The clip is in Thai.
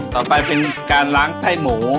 ต่อไปเป็นการล้างไต้หมู